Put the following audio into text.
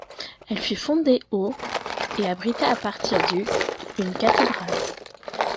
Elle fut fondée au et abrita à partir du une cathédrale.